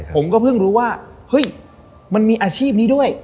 ผมก็เพิ่งรู้ว่าเฮ้ยมันมีอาชีพนี้ด้วย